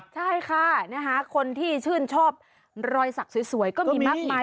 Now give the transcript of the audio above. ใช่ค่ะคนที่ชื่นชอบรอยสักสวยก็มีมากมาย